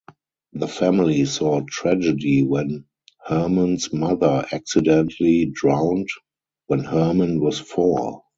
The family saw tragedy when Hermon's mother accidentally drowned when Hermon was four.